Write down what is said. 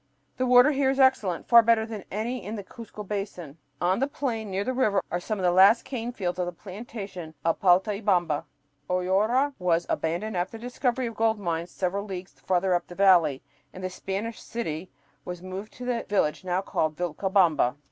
The water here is excellent, far better than any in the Cuzco Basin. On the plain near the river are some of the last cane fields of the plantation of Paltaybamba. "Hoyara" was abandoned after the discovery of gold mines several leagues farther up the valley, and the Spanish "city" was moved to the village now called Vilcabamba.